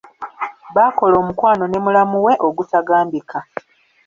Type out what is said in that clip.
Baakola omukwano ne mulamu we ogutagambika.